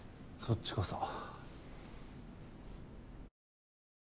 そっちこそ。